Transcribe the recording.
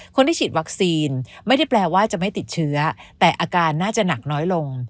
คนที่ฉีดวัคซีนไม่ได้แปลว่าจะไม่ติดเชื้อแต่อาการน่าจะหนักน้อยลง